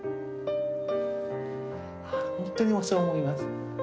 本当にそう思います。